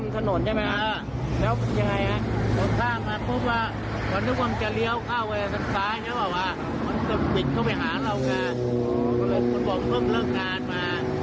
ก็เลยคุณบอกเริ่มเริ่มงานมา